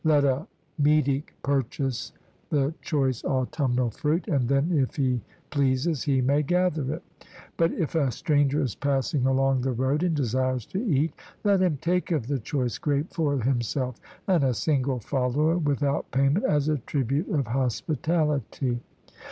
Let a metic purchase the 'choice' autumnal fruit, and then, if he pleases, he may gather it; but if a stranger is passing along the road, and desires to eat, let him take of the 'choice' grape for himself and a single follower without payment, as a tribute of hospitality.